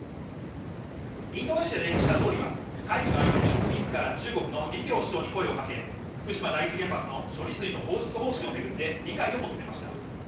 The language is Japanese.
インドネシアで岸田総理は、会議の合間に自ら中国の李強首相に声をかけ福島第一原発の処理水の放出方針を巡って理解を求めました。